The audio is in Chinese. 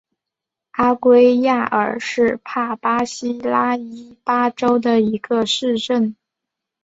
阿圭亚尔是巴西帕拉伊巴州的一个市镇。